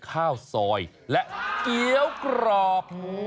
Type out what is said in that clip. ข้าวซอยและเกี้ยวกรอบ